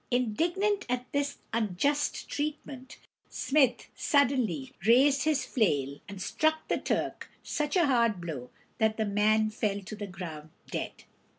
Indignant at this unjust treatment, Smith suddenly raised his flail, and struck the Turk such a hard blow that the man fell to the ground dead.